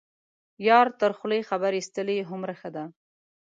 یار تر خولې خبر یستلی هومره ښه ده.